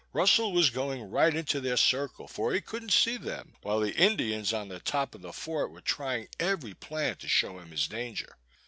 Russel was going right into their circle, for he couldn't see them, while the Indians on the top of the fort were trying every plan to show him his danger.